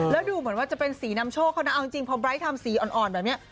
แล้วดูเหมือนว่าจะเป็นสีนำโชคเขานะเอาจริงพอไร้ทำสีอ่อนแบบนี้